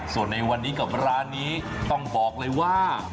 ส่วนในวันนี้กับร้านนี้ต้องบอกเลยว่า